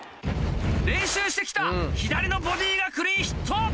練習して来た左のボディがクリーンヒット！